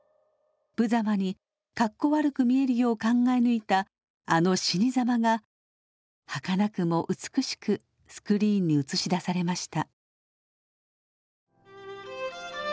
ぶざまに格好悪く見えるよう考え抜いたあの死にざまがはかなくも美しくスクリーンに映し出されました。